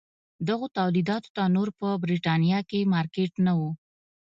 دغو تولیداتو ته نور په برېټانیا کې مارکېټ نه و.